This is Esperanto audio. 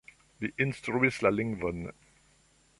Li instruis la lingvon.